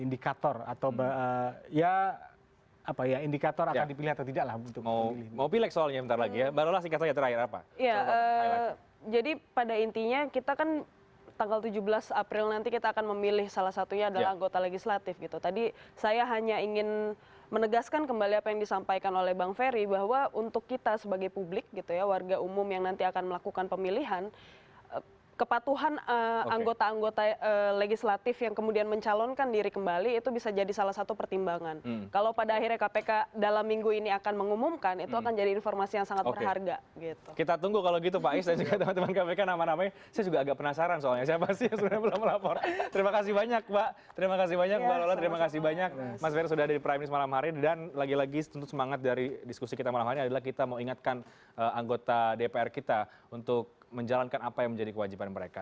dan lagi lagi tentu semangat dari diskusi kita malam hari adalah kita ingatkan anggota dpr kita untuk menjalankan apa yang menjadi kewajiban mereka